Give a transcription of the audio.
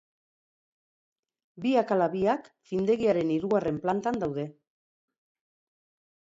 Biak ala biak findegiaren hirugarren plantan daude.